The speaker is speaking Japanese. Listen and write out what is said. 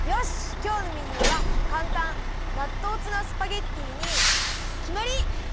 きょうのメニューはかんたんなっとうツナスパゲッティにきまり！